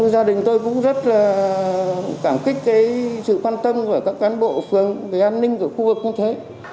gia đình tôi cũng rất là cảm kích sự quan tâm của các cán bộ phường về an ninh của khu vực như thế